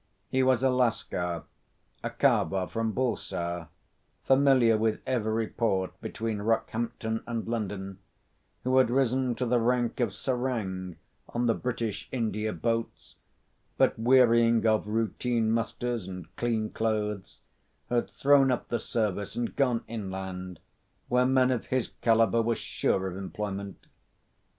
He was a Lascar, a Kharva from Bulsar, familiar with every port between Rockhampton and London, who had risen to the rank of serang on the British India boats, but wearying of routine musters and clean clothes, had thrown up the service and gone inland, where men of his calibre were sure of employment.